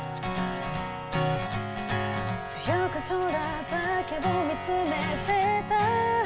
「強く空だけを見つめてた」